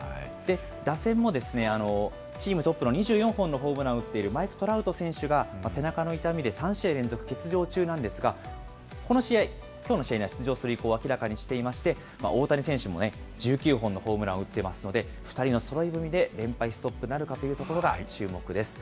打線もチームトップの２４本を打っているマイク・トラウト選手が背中の痛みで３試合連続欠場中なんですが、この試合、きょうの試合には出場する意向を明らかにしていまして、大谷選手も１９本のホームランを打っていますので、２人のそろい踏みで連敗ストップなるかというところが注目です。